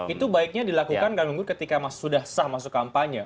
itu baiknya dilakukan kang gunggun ketika sudah sah masuk kampanye